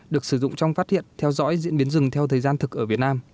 được sử dụng trong phát hiện theo dõi diễn biến rừng theo thời gian thực ở việt nam